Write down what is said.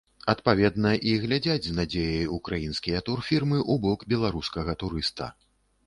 Адпаведна, і глядзяць з надзеяй украінскія турфірмы ў бок беларускага турыста.